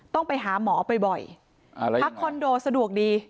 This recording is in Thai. ต้องไปหาหมอบ่อยพักคอนโดสะดวกดี